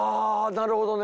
なるほどね。